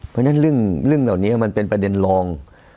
เพราะฉะนั้นเรื่องเหล่านี้มันเป็นประเด็นรอง